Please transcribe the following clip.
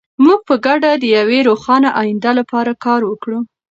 موږ به په ګډه د یوې روښانه ایندې لپاره کار وکړو.